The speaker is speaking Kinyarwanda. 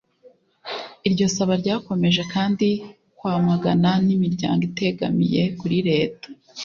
Iryo saba ryakomeje kandi kwamagana n’imiryango itegamiye kuri Leta